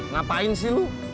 ngapain sih lu